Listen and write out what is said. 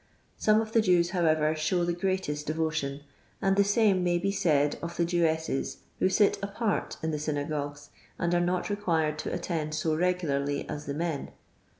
Some of the Jews, however, show the greatest devotion, and the same may be said of the Jewesses, who sit apart in the synagogues, and are not required to attend so regularly as the men.